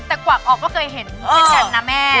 แต่กวักออกก็เคยเห็นเช่นกันนะแม่